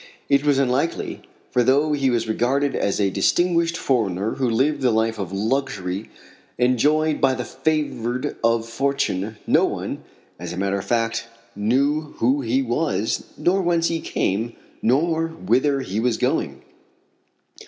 It was unlikely, for though he was regarded as a distinguished foreigner who lived the life of luxury enjoyed by the favored of fortune, no one, as a matter of fact, knew who he was, nor whence he came, nor whither he was going.